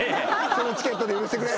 そのチケットで許してくれ。